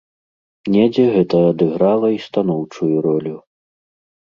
Недзе гэта адыграла і станоўчую ролю.